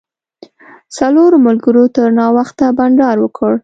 څلورو ملګرو تر ناوخته بانډار وکړ.